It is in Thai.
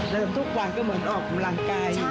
เริ่มทุกวันก็เหมือนออกกำลังกายอยู่นะ